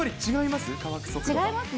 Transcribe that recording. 違いますね。